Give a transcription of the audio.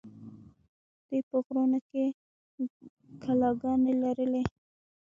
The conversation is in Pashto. دوی په غرونو کې کلاګانې لرلې